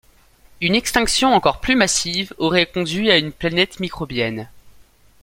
Une extinction encore plus massive aurait conduit à une planète microbienne.